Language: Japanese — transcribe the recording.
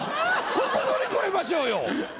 ここ乗り越えましょうよ。